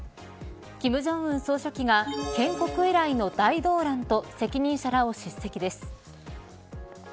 金正恩総書記が建国以来の大動乱と責任者らを叱責です。